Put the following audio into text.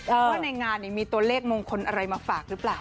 ว่าในงานมีตัวเลขมงคลอะไรมาฝากหรือเปล่า